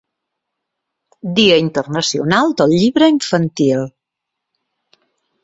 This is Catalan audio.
Dia Internacional del Llibre Infantil.